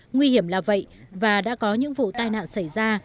nguy hiểm là vậy và đã có những vụ tai nạn xảy ra